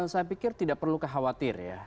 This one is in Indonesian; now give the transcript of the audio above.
saya pikir tidak perlu kekhawatir ya